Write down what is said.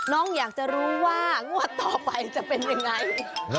น้องอยากจะรู้ว่างวดต่อไปจะเป็นยังไง